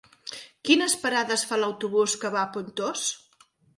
Quines parades fa l'autobús que va a Pontós?